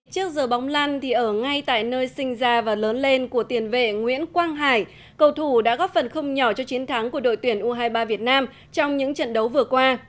trước giờ bóng lăn thì ở ngay tại nơi sinh ra và lớn lên của tiền vệ nguyễn quang hải cầu thủ đã góp phần không nhỏ cho chiến thắng của đội tuyển u hai mươi ba việt nam trong những trận đấu vừa qua